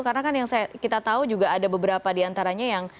karena kan yang kita tahu juga ada beberapa diantaranya yang